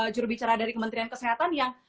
jurubicara dari kementerian kesehatan yang